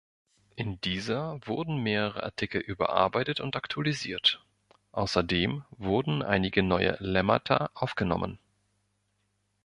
In dieser wurden mehrere Artikel überarbeitet und aktualisiert, außerdem wurden einige neue Lemmata aufgenommen.